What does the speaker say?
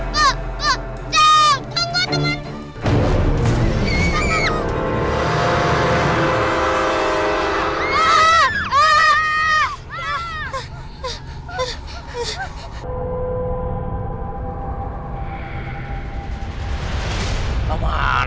jangan tunggu teman